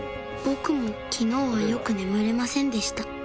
僕も昨日はよく眠れませんでした